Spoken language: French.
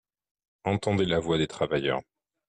Entendez la voix des travailleurs